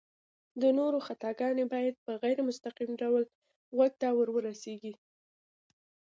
د نورو خطاګانې بايد په غير مستقيم ډول غوږ ته ورورسيږي